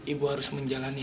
ibu harus menjalani